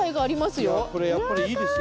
いやこれやっぱりいいですよ。